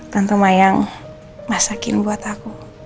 tentu mayang masakin buat aku